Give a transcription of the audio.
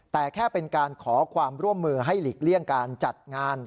แต่แค่เป็นการขอความร่วมมือให้หลีกเลี่ยงการจัดงาน